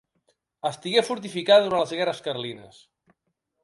Estigué fortificada durant les guerres carlines.